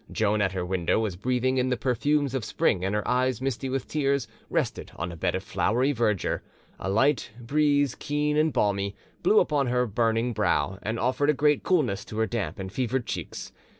Joan at her window was breathing in the perfumes of spring, and her eyes misty with tears rested on a bed of flowery verdure; a light breeze, keen and balmy, blew upon her burning brow and offered a grateful coolness to her damp and fevered cheeks.